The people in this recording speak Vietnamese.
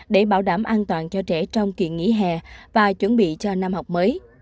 để bảo đảm an toàn cho trẻ trong kỳ nghỉ hè và chuẩn bị cho năm học mới